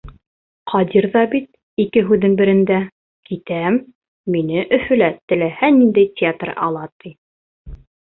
Ҡадир ҙа бит ике һүҙҙең берендә: китәм, мине Өфөлә теләһә ниндәй театр ала, ти.